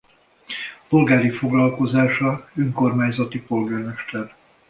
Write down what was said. Polgári foglalkozása önkormányzati polgármester.